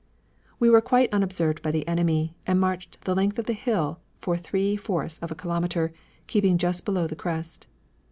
We were quite unobserved by the enemy, and marched the length of the hill for three fourths of a kilometre, keeping just below the crest.